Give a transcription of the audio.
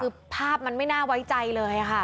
คือภาพมันไม่น่าไว้ใจเลยค่ะ